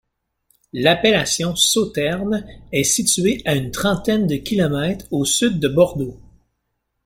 L'appellation sauternes est située à une trentaine de kilomètres au sud de Bordeaux.